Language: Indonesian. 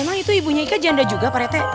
emang itu ibunya ika janda juga pak rete